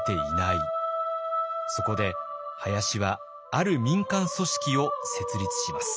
そこで林はある民間組織を設立します。